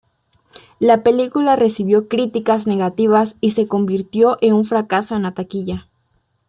La película recibió críticas negativas y se convirtió en un fracaso en la taquilla.